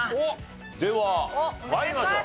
では参りましょう。